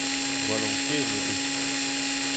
Gwall ankeniet eo.